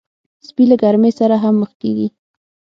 سپي له ګرمۍ سره هم مخ کېږي.